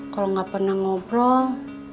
kalau gak pernah ngobrol